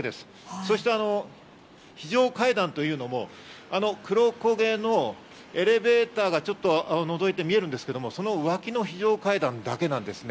そして非常階段というのも黒こげのエレベーターがちょっと覗いて見えるんですけど、その脇の非常階段だけなんです。